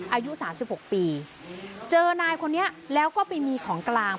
อายุสามสิบหกปีเจอนายคนนี้แล้วก็ไปมีของกลาง